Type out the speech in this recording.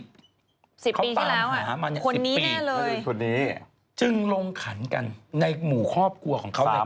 จึงลงขันกันในหมู่ครอบครัวของเค้า